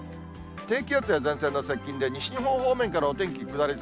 低気圧や前線の接近で、西日本方面からお天気下り坂。